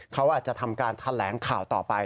เขาอาจจะทำการแถลงข่าวต่อไป